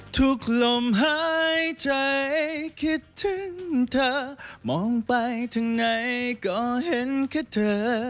ลมหายใจคิดถึงเธอมองไปถึงไหนก็เห็นแค่เธอ